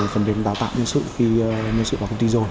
phần đến đào tạo nhân sự khi nhân sự vào công ty rồi